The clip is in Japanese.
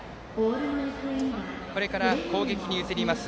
これから攻撃に移ります